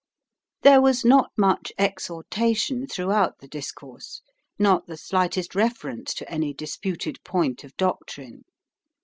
There was not much exhortation throughout the discourse, not the slightest reference to any disputed point of doctrine.